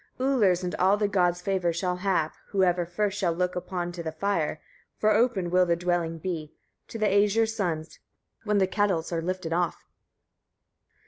42. Ullr's and all the gods' favour shall have, whoever first shall look to the fire; for open will the dwelling be, to the Æsir's sons, when the kettles are lifted off.